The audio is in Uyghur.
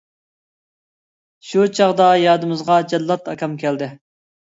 شۇ چاغدا يادىمىزغا جاللات ئاكام كەلدى.